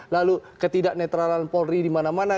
lalu ketidak netralan polri di mana mana